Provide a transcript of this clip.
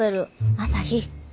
朝陽。